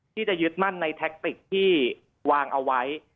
ที่จะยึดมั่นในแท็กติกที่วางเอาไว้